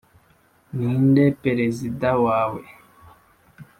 ninde perezida wawe